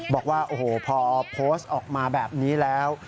บอกว่าโอ้โหพอโพสต์ออกมาแบบนี้แล้ว